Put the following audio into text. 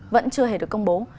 vẫn chưa hề được công bố